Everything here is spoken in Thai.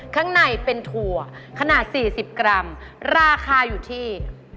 ข้างในเป็นถั่วขนาด๔๐กรัมราคาอยู่ที่